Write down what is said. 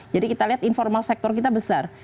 jadi kita lihat informal sektor kita besar